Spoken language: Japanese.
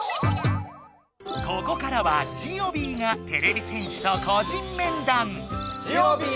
ここからはジオビーがてれび戦士と個人面談！